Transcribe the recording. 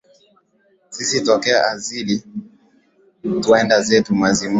Sisi tokea azali, twenda zetu mizimuni,